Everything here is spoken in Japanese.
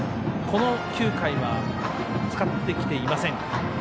この９回は使ってきていません。